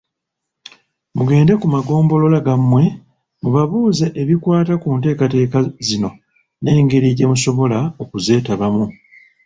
Mugende ku magombolola gammwe mubabuuze ebikwata ku nteekateeka zino n'engeri gyemusobola okuzeetabamu.